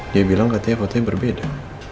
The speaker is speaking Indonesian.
dia bilang katanya fotonya berbeda